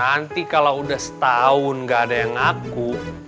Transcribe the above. nanti kalau udah setahun gak ada yang ngaku